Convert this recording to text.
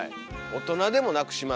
大人でもなくしますから。